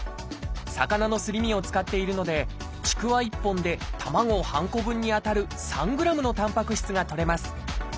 魚のすり身を使っているのでちくわ１本で卵半個分にあたる３ｇのたんぱく質がとれます。